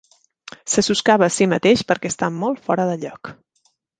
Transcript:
Se soscava a sí mateix perquè està molt fora de lloc.